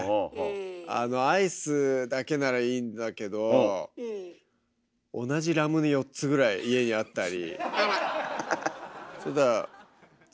あのアイスだけならいいんだけど同じラムネ４つぐらい家にあったり。